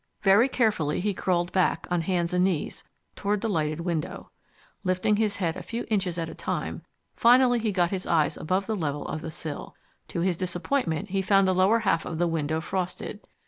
Very carefully he crawled back, on hands and knees, toward the lighted window. Lifting his head a few inches at a time, finally he got his eyes above the level of the sill. To his disappointment he found the lower half of the window frosted.